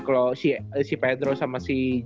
kalau si pedro sama si